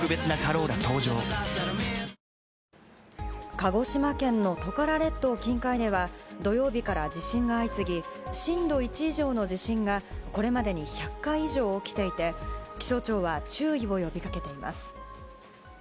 鹿児島県のトカラ列島近海では土曜日から地震が相次ぎ震度１以上の地震がこれまでに１００回以上起きていて気象庁は注意を呼びかけています。